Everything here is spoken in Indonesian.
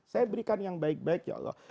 saya berikan yang baik baik ya allah